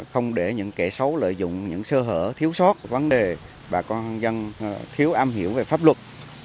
không để những kẻ xấu lợi dụng những sơ hở thiếu sót vấn đề bà con dân thiếu âm hiểu về pháp luật